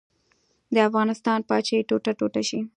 د افغانستان پاچاهي ټوټه ټوټه شي.